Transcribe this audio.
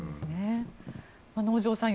能條さん